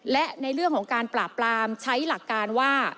และในเรื่องของการปราบปรามใช้หลักการว่า